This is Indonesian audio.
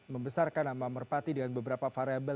membesarkan nama merpati dengan beberapa variable